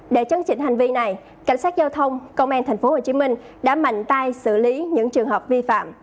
để chấn chỉnh hành vi này cảnh sát giao thông công an tp hcm đã mạnh tay xử lý những trường hợp vi phạm